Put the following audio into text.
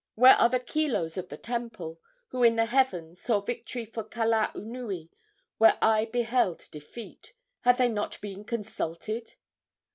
Where are the kilos of the temple, who in the heavens saw victory for Kalaunui where I beheld defeat? Have they not been consulted?"